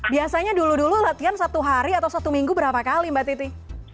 biasanya dulu dulu latihan satu hari atau satu minggu berapa kali mbak titi